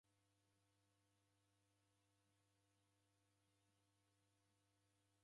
Ulo nilo lumenyo lwa ighu kuchumba.